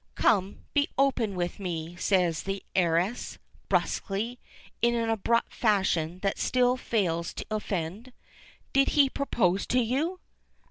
"Come, be open with me," says the heiress, brusquely, in an abrupt fashion that still fails to offend. "Did he propose to you?"